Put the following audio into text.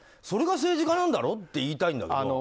それが政治家なんだろって言いたいんだけど。